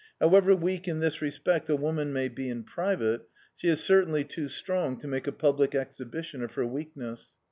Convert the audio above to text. How ever weak in this respect a woman may be in private, she is certainly too strong to make a public ezhibi' tion of her weakness.